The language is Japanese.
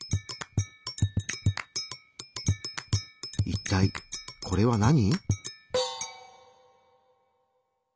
いったいこれは何？